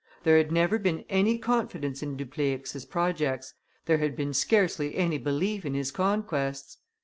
There had never been any confidence in Dupleix's projects, there had been scarcely any belief in his conquests.